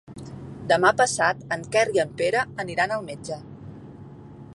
Demà passat en Quer i en Pere aniran al metge.